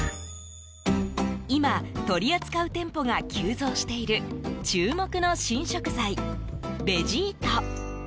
今、取り扱う店舗が急増している注目の新食材ベジート。